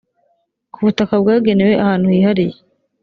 ku butaka bwagenewe ahantu hihariye